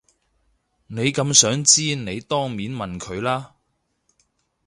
你咁想知你當面問佢啦